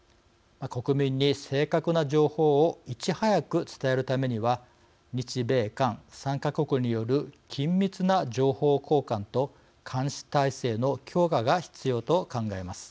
国民に正確な情報をいち早く伝えるためには日米韓３か国による緊密な情報交換と監視体制の強化が必要と考えます。